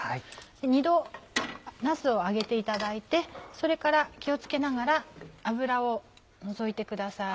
２度なすを揚げていただいてそれから気を付けながら油を除いてください。